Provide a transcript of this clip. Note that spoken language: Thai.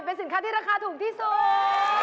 เป็นสินค้าที่ราคาถูกที่สุด